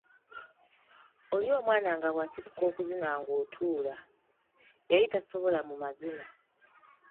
Oli omwana nga bw’asituka okuzina ng’otuula! yali tasobola mu mazina.